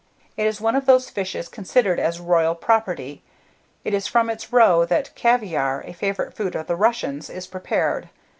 It is one of those fishes considered as royal property. It is from its roe that caviare, a favourite food of the Russians, is prepared.